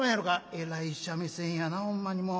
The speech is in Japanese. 「えらい三味線やなほんまにもう。